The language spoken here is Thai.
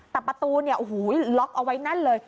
แต่ประตูเนี่ยโอ้โหล็อกเอาไว้แน่นเลย